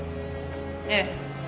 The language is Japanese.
ええ。